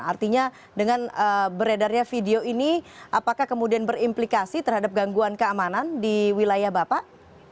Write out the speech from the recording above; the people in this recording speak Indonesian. artinya dengan beredarnya video ini apakah kemudian berimplikasi terhadap gangguan keamanan di wilayah bapak